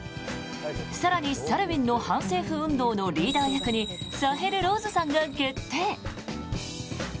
更に、サルウィンの反政府運動のリーダー役にサヘル・ローズさんが決定。